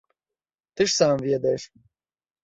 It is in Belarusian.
Ты ж сам ведаеш.